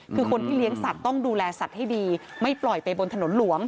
คือคนที่เลี้ยงสัตว์ต้องดูแลสัตว์ให้ดีไม่ปล่อยไปบนถนนหลวง